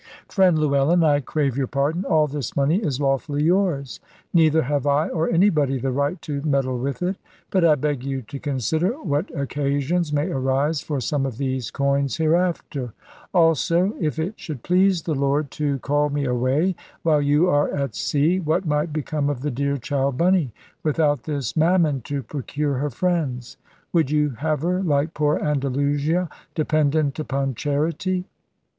"Friend Llewellyn, I crave your pardon. All this money is lawfully yours; neither have I, or anybody, the right to meddle with it. But I beg you to consider what occasions may arise for some of these coins hereafter. Also, if it should please the Lord to call me away while you are at sea, what might become of the dear child Bunny, without this mammon to procure her friends? Would you have her, like poor Andalusia, dependent upon charity?"